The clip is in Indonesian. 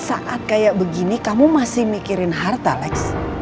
saat kayak begini kamu masih mikirin harta lex